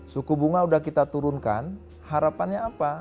suku bunga sudah kita turunkan harapannya apa